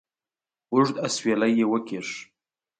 اوږد اسویلی یې وکېښ.